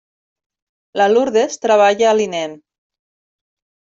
La Lurdes treballa a l'INEM.